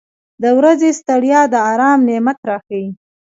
• د ورځې ستړیا د آرام نعمت راښیي.